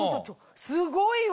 すごいわ！